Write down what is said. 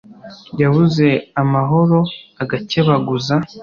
yabuze amahoro agakebaguza